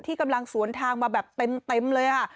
ที่กำลังสวนทางมาแบบเต็มเลย